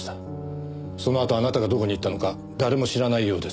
そのあとあなたがどこに行ったのか誰も知らないようですが。